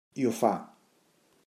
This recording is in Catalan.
I ho fa.